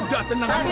udah tenang dulu